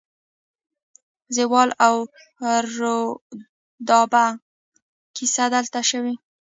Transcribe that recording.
زال او رودابه کیسه دلته شوې